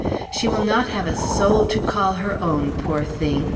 "She will not have a soul to call her own, poor thing!"